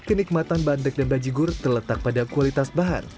kenikmatan bandrek dan bajigur terletak pada kualitas bahan